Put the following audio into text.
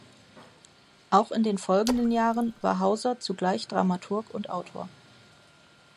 Auch in den folgenden Jahren war Hauser zugleich Dramaturg und Autor.